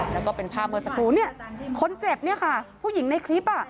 แล้วก็เป็นภาพเมื่อสักครู่เนี่ยคนเจ็บเนี่ยค่ะผู้หญิงในคลิปอ่ะ